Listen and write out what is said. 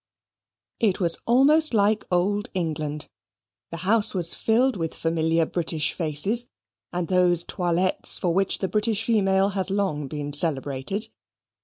It was almost like Old England. The house was filled with familiar British faces, and those toilettes for which the British female has long been celebrated.